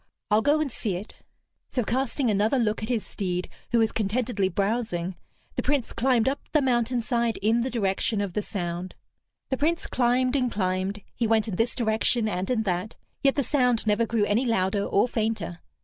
"I'll go and see it." So, casting another look at his steed, who was contentedly browsing, the Prince climbed up the mountainside in the direction of the sound. The Prince climbed and climbed, he went in this direction and in that, yet the sound never grew any louder or fainter.